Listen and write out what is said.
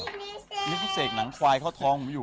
นี่พิเศษหนังควายเขาท้องอยู่